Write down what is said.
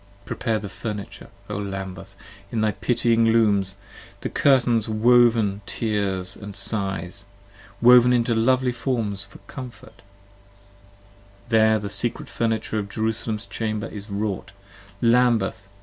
Prepare the furniture, O Lambeth, in thy pitying looms; The curtains, woven tears & sighs, wrought into lovely forms 40 For comfort: there the secret furniture of Jerusalem's chamber Is wrought: Lambeth!